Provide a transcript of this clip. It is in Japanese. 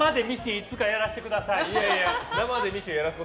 いやいや、やらせてください！